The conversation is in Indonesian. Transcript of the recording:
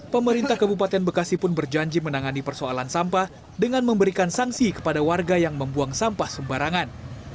pemerintah kabupaten bekasi pun berjanji menangani persoalan sampah dengan memberikan sanksi kepada warga yang membuang sampah sembarangan